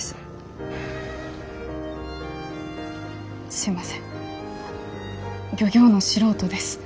すいません漁業の素人です。